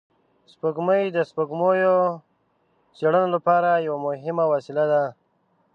سپوږمۍ د سپوږمیزو څېړنو لپاره یوه مهمه وسیله ده